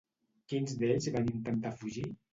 Quins d'ells van intentar fugir?